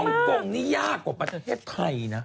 กงนี่ยากกว่าประเทศไทยนะ